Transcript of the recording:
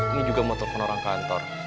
ini juga mau telfon orang kantor